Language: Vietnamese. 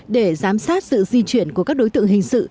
để giám sát sự di chuyển của các đối tượng hình sự